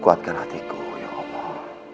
kuatkan hatiku ya allah